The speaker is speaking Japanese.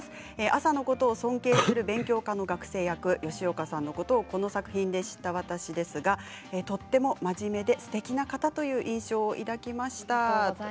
あさのことを尊敬する勉強家の学生役吉岡さんのことをこの作品で知った私ですがとても真面目ですてきな方という印象を抱きました。